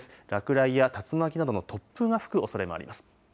落雷や竜巻などの突風が吹くおそれもあります。